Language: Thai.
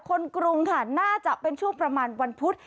กรุงค่ะน่าจะเป็นช่วงประมาณวันพุธ